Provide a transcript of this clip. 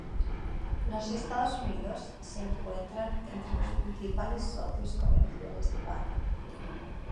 Los Estados Unidos se encuentran entre los principales socios comerciales de Ghana.